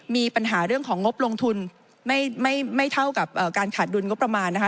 มีปัญหาเรื่องของงบลงทุนไม่เท่ากับการขาดดุลงบประมาณนะคะ